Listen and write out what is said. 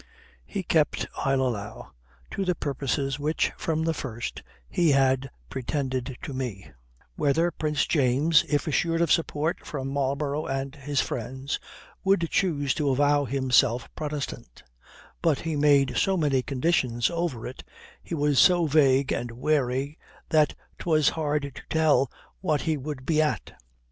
He kept, I'll allow, to the purposes which, from the first, he had pretended to me: whether Prince James, if assured of support from Marlborough and his friends, would choose to avow himself Protestant; but he made so many conditions over it, he was so vague and wary that 'twas hard to tell what he would be at.